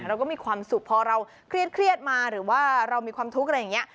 เราก็มีความสุขพอเราเครียดมาหรือว่าเรามีความทุกข์อะไรอย่างนี้